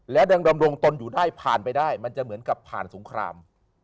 และเดินกำลังต้นอยู่ได้ผ่านไปได้บสภาคมันจะเหมือนกับผ่านสงคราม